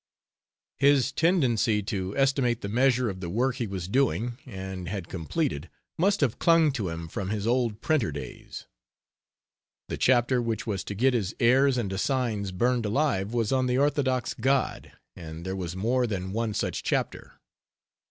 His tendency to estimate the measure of the work he was doing, and had completed, must have clung to him from his old printer days. The chapter which was to get his heirs and assigns burned alive was on the orthodox God, and there was more than one such chapter.